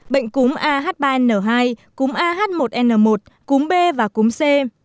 bệnh cúm a h ba n hai cúm a h một n một cúm b và cúm c